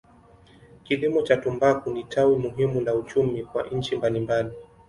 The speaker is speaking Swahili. Kilimo cha tumbaku ni tawi muhimu la uchumi kwa nchi mbalimbali.